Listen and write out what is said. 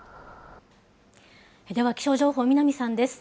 では気象情報、南さんです。